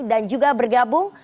dan juga bergabung